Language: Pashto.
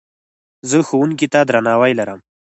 زه ښوونکي ته درناوی لرم.